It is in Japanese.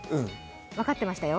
分かってましたよ。